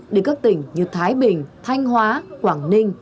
đến các tỉnh như thái bình thanh hóa quảng ninh